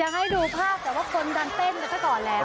ให้ดูภาพแต่ว่าคนดันเต้นกันซะก่อนแล้ว